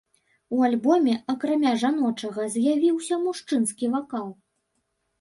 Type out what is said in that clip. У альбоме, акрамя жаночага, з'явіўся мужчынскі вакал.